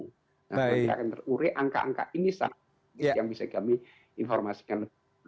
kalau tidak akan terureh angka angka ini saja yang bisa kami informasikan